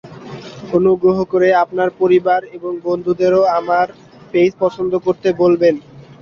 অনুগ্রহ করে আপনার পরিবার এবং বন্ধুদেরও আমার পেইজ পছন্দ করতে বলবেন।